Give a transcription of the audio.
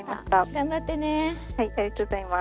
頑張ってね。